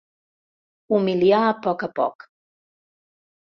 Humiliar a poc a poc.